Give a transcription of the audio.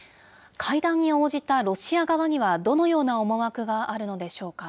会談に応じたロシア側には、どのような思惑があるのでしょうか。